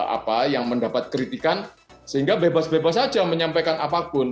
apa yang mendapat kritikan sehingga bebas bebas saja menyampaikan apapun